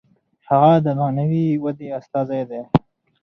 هغه د معنوي ودې استازی دی.